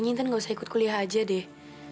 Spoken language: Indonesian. intan gak usah ikut kuliah aja deh